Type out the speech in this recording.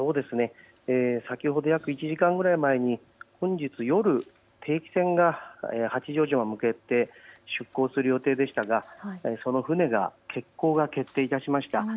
先ほど約１時間ほど前に本日夜、定期船が八丈島に向けて出港する予定でしたがその船が欠航が決定いたしました。